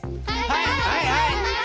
はいはいはい！